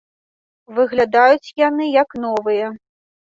Выглядаюць яны як новыя.